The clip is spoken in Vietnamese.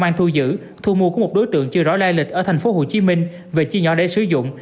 an thu giữ thu mua của một đối tượng chưa rõ lai lịch ở thành phố hồ chí minh về chi nhỏ để sử dụng